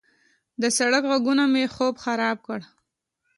د سړک غږونه مې خوب خراب کړ.